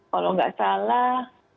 kalau tidak salah